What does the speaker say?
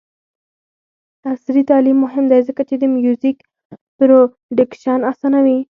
عصري تعلیم مهم دی ځکه چې د میوزیک پروډکشن اسانوي.